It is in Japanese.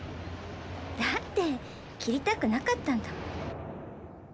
「だって切りたくなかったんだもん」